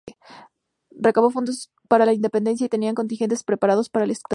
Recabó fondos para la independencia y tenía contingentes preparados para el estallido.